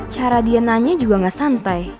cara dia nanya juga gak santai